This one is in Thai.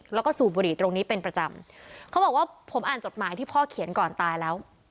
แล้วก็สูบบุหรี่ตรงนี้เป็นประจำเขาบอกว่าผมอ่านจดหมายที่พ่อเขียนก่อนตายแล้ว